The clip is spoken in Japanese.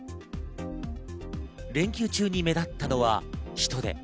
連休中に目立ったのは人出。